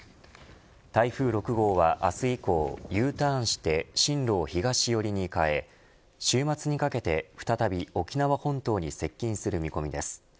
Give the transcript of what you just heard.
台風６号は明日以降Ｕターンして進路を東寄りに変え週末にかけて、再び沖縄本島に接近する見込みです。